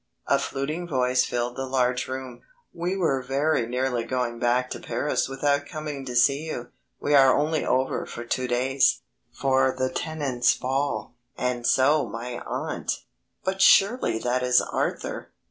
a fluting voice filled the large room, "we were very nearly going back to Paris without once coming to see you. We are only over for two days for the Tenants' Ball, and so my aunt ... but surely that is Arthur...."